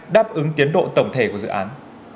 đáp ứng tiến độ tổng thể của dự án